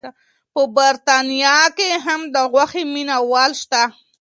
په بریتانیا کې هم د غوښې مینه وال شته.